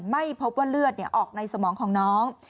ไม่พบว่าเลือดออกในสมองของน้อง